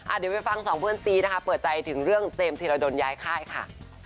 เดี๋ยวไปฟังสองเพื่อนซีนะคะเปิดใจถึงเรื่องเจมส์ธิรดลย้ายค่ายค่ะ